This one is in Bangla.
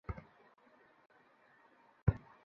ডানের জন্য বামের জনের উপর কর্তৃত্ব করে না।